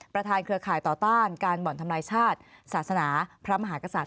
เครือข่ายต่อต้านการบ่อนทำลายชาติศาสนาพระมหากษัตริย